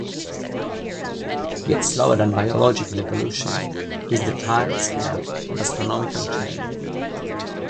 Yet slower than biological evolution is the time scale of astronomical change.